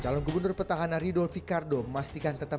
calon gubernur petahana ridol fikardo memastikan tetap